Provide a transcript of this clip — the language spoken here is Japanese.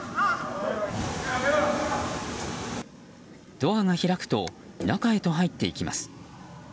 ドアが開くと中へと入っていきます。